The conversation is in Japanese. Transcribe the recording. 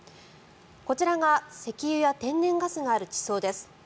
こちらが石油や天然ガスがある地層です。